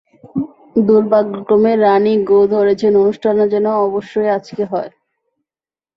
দুর্ভাগ্যক্রমে, রানি গো ধরেছেন, অনুষ্ঠানটা যেন অবশ্যই আজকেই হয়।